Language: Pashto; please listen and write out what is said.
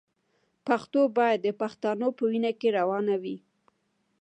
پښتو باید د پښتنو په وینه کې روانه وي.